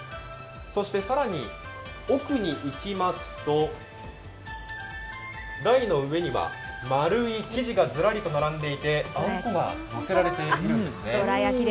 更に、奥に行きますと、台の上には丸い生地がズラリと並んでいて、あんこがのせられているんですね。